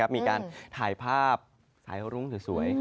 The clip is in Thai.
มีการถ่ายภาพสายรุ้งสวย